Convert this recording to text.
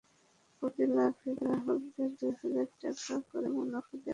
প্রতি লাখে গ্রাহকদের দুই হাজার টাকা করে মুনাফা দেওয়ার ঘোষণা দেওয়া হয়।